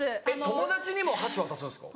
友達にも箸渡すんですか？